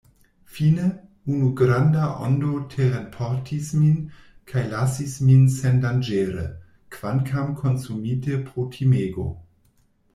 Fine, unu granda ondo terenportis min, kaj lasis min sendanĝere, kvankam konsumite pro timego.